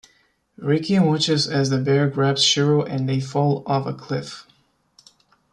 Riki watches as the bear grabs Shiro and they fall off a cliff.